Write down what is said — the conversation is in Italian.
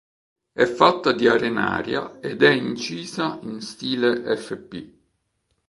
È fatta di arenaria ed è incisa in stile Fp.